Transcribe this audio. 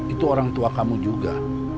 itu orang tua kamu juga